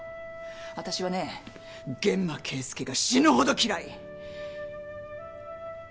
私はね諫間慶介が死ぬほど嫌い。